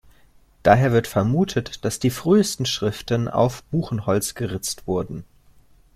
Daher wird vermutet, dass die frühesten Schriften auf Buchenholz geritzt wurden.